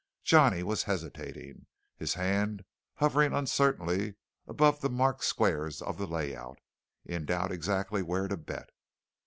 Johnny was hesitating, his hand hovering uncertainly above the marked squares of the layout, in doubt exactly where to bet.